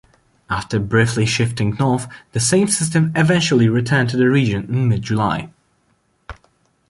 After briefly shifting north, the same system eventually returned to the region in mid-July.